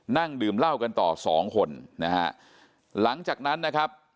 นั่งดื่มเหล้ากันต่อสองคนนะฮะหลังจากนั้นนะครับ